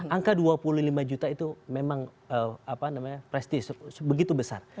angka dua puluh lima juta itu memang prestis begitu besar